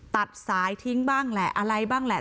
ตัดสายทิ้งบ้างแหละอะไรบ้างแหละ